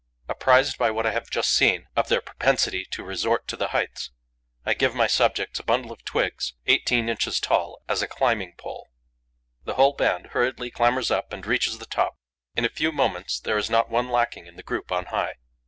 Apprised by what I have just seen of their propensity to resort to the heights, I give my subjects a bundle of twigs, eighteen inches tall, as a climbing pole. The whole band hurriedly clambers up and reaches the top. In a few moments there is not one lacking in the group on high.